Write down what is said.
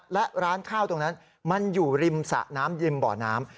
และร้านข้าวตรงนั้นมันอยู่ริมสะน้ำริมบ่อน้ำ